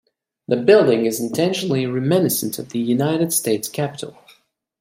The building is intentionally reminiscent of the United States Capitol.